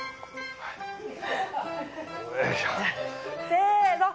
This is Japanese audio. せの！